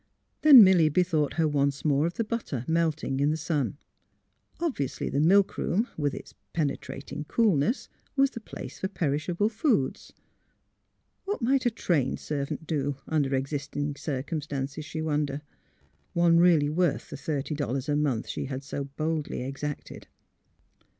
Then Milly bethought her once more of the butter melting in the sun. Obviously the milkroom, with its penetrating coolness, was the place for perishable foods. What might a trained servant do, under existing circumstances, she 122 THE HEART OF PHILURA wondered — one really worth the thirty dollars a month she had so boldly exacted?